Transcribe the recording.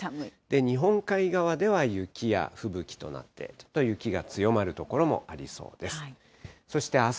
日本海側では雪や吹雪となって、ちょっと雪が強まる所もありそうです。